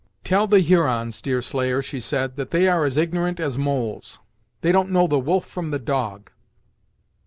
"Tell the Hurons, Deerslayer," she said, "that they are as ignorant as moles; they don't know the wolf from the dog.